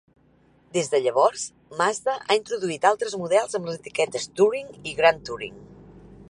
Des de llavors, Mazda ha introduït altres models amb les etiquetes Touring i Grand Touring.